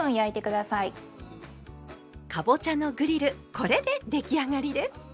これで出来上がりです。